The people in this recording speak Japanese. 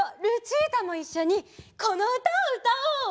ルチータもいっしょにこのうたをうたおう！